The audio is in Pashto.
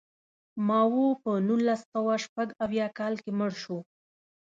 ماوو په نولس سوه شپږ اویا کال کې مړ شو.